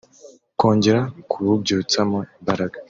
kongera kububyutsamo imbaraga